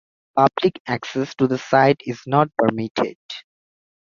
Public access to the site is not permitted.